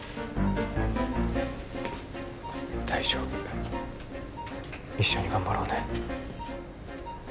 大丈夫一緒に頑張ろうね・